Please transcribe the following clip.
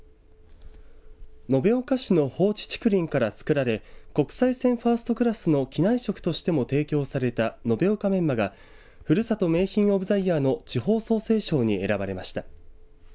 延岡市の放置竹林から作られ国際線ファーストクラスの機内食としても提供された延岡メンマがふるさと名品オブ・ザ・イヤーの地方創生賞に選ばれました。